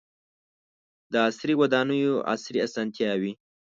• د عصري ودانیو عصري اسانتیاوې.